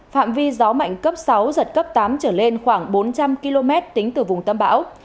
phạm vi gió mạnh cấp sáu giật cấp tám trở lên khoảng bốn trăm linh km tính từ vùng tâm bão